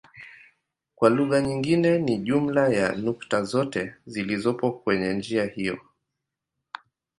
Kwa lugha nyingine ni jumla ya nukta zote zilizopo kwenye njia hiyo.